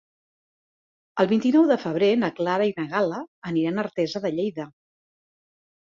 El vint-i-nou de febrer na Clara i na Gal·la aniran a Artesa de Lleida.